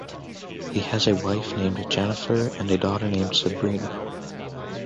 He has a wife named Jennifer and a daughter named Sabrina.